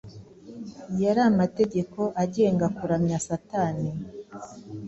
Yari amategeko agenga kuramya Satani,